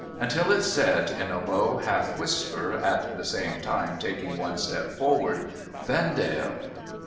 Until it said, in a low^ half whisper, at the same time taking one step forward :' Vendale